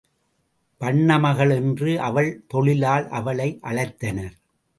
வண்ணமகள் என்று அவள் தொழிலால் அவளை அழைத்தனர்.